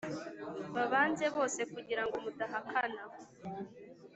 babanze bose kugirango mudahakana